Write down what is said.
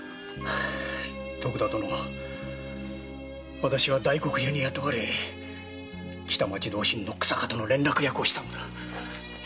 私は大黒屋に雇われ北町同心の日下との連絡役をしたのだ。